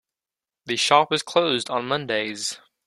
The shop is closed on Mondays.